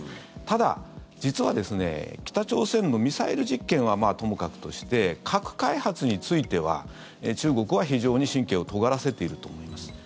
ただ、実は、北朝鮮のミサイル実験はともかくとして核開発については中国は非常に神経をとがらせていると思います。